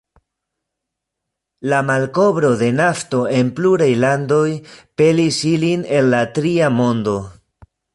La malkovro de nafto en pluraj landoj pelis ilin el la Tria Mondo.